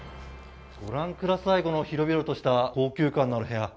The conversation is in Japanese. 御覧ください、この広々とした高級感のある部屋。